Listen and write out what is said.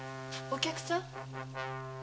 お客さん